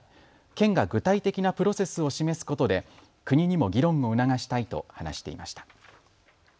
県が具体的なプロセスを示すことで国にも議論を促したいと話していました。